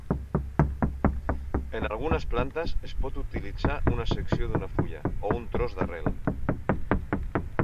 En algunes plantes, es pot utilitzar una secció d'una fulla o un tros d'arrel.